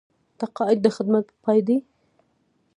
تقاعد د خدمت پای دی